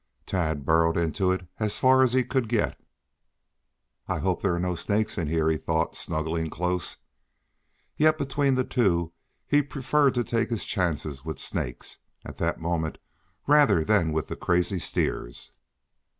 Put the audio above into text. Tad burrowed into it as far as he could get. "I hope there are no snakes in here," he thought, snuggling close. Yet between the two he preferred to take his chances with snakes, at that moment, rather than with the crazy steers.